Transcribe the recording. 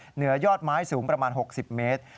เหนือยอดไม้สูงประมาณ๖๐เมตร